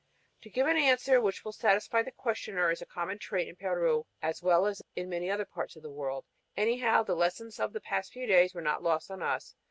To give an answer which will satisfy the questioner is a common trait in Peru as well as in many other parts of the world. Anyhow, the lessons of the past few days were not lost on us.